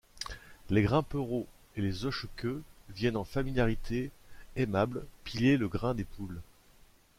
Les grimpereaux et les hochequeues viennent en familiarité aimable piller le grain des poules.